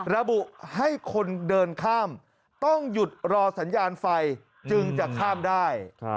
ระบุให้คนเดินข้ามต้องหยุดรอสัญญาณไฟจึงจะข้ามได้